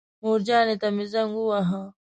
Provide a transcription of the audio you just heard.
مورجانې ته مې زنګ وواهه.